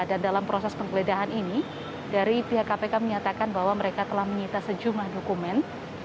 dan dalam proses penggeledahan ini dari pihak kpk menyatakan bahwa mereka telah menyita sejumlah dokumen